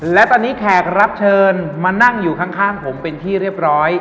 และตอนนี้แขกรับเชิญมานั่งอยู่ข้างผมเป็นที่เรียบร้อย